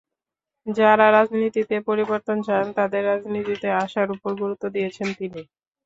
যাঁরা রাজনীতিতে পরিবর্তন চান, তাঁদের রাজনীতিতে আসার ওপরও গুরুত্ব দিয়েছেন তিনি।